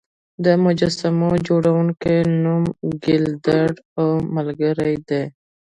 د مجسمو جوړونکي نوم ګیلډر او ملګري دی.